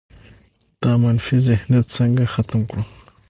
دا منفي ذهنیت څنګه ختم کړو؟